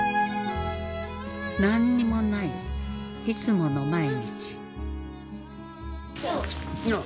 何にもないいつもの毎日よう。